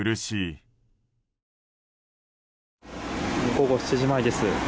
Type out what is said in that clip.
午後７時前です。